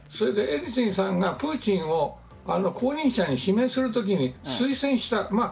エリツィンさんがプーチンさんを後任者に指名するときに推薦した。